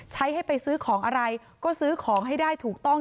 ให้ไปซื้อของอะไรก็ซื้อของให้ได้ถูกต้อง